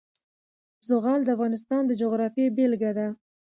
زغال د افغانستان د جغرافیې بېلګه ده.